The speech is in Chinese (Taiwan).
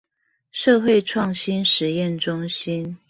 社會創新實驗中心